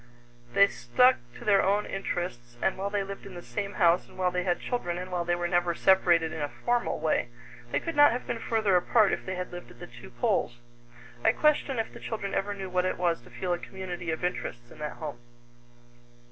They stuck to their own interests, and while they lived in the same house and while they had children and while they were never separated in a formal way, they could not have been further apart if they had lived at the two poles. I question if the children ever knew what it was to feel a community of interests in that home.